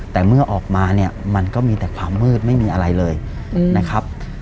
แต่เมื่อออกมาเนี่ยมันก็มีแต่ความมืดไม่มีอะไรเลยนะครับ